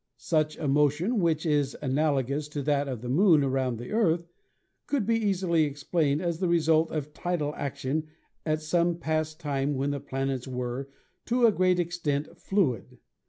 Such a motion, which is analogous to that of the Moon around the Earth, could be easily explained as the result of tidal action at some past time when the planets were, to a great extent, fluid.